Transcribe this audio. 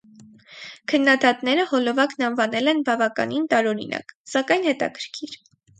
Քննադատները հոլովակն անվանել են բավականին տարօրինակ, սակայն հետաքրքիր։